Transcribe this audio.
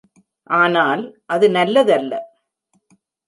ஆனால் அது நல்லதல்ல.